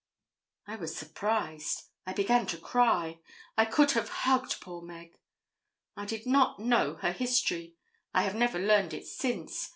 I was surprised. I began to cry. I could have hugged poor Meg. I did not know her history. I have never learned it since.